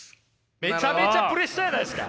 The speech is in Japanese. めちゃめちゃプレッシャーじゃないですか！